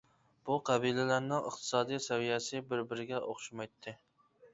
بۇ قەبىلىلەرنىڭ ئىقتىسادىي سەۋىيەسى بىر-بىرىگە ئوخشىمايتتى.